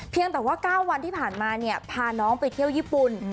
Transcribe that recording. แต่ว่า๙วันที่ผ่านมาเนี่ยพาน้องไปเที่ยวญี่ปุ่น